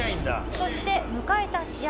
そして迎えた試合。